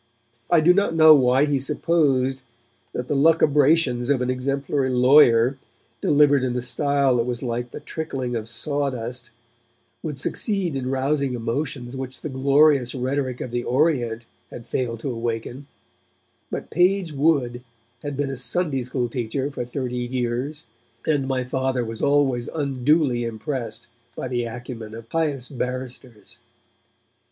I do not know why he supposed that the lucubrations of an exemplary lawyer, delivered in a style that was like the trickling of sawdust, would succeed in rousing emotions which the glorious rhetoric of the Orient had failed to awaken; but Page Wood had been a Sunday School teacher for thirty years, and my Father was always unduly impressed by the acumen of pious barristers.